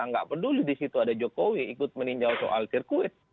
tidak peduli disitu ada jokowi ikut meninjau soal sirkuit